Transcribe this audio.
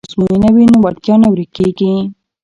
که ازموینه وي نو وړتیا نه ورکیږي.